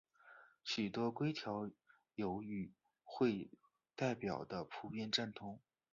许多规条有与会代表的普遍赞同。